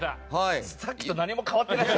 さっきと何も変わってない。